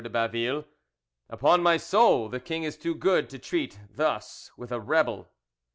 de Baville. "Upon my soul, the king is too good to treat thus with a rebel."